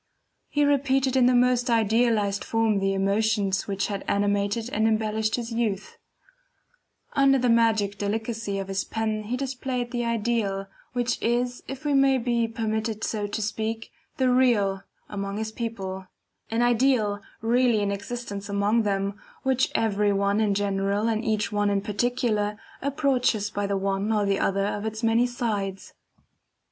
He repeated in the most idealized form the emotions which had animated and embellished his youth; under the magic delicacy of his pen he displayed the Ideal, which is, if we may be permitted so to speak, the Real among his people; an Ideal really in existence among them, which every one in general and each one in particular approaches by the one or the other of its many sides.